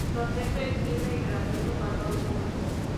Su acceso es libre y gratuito para todo público.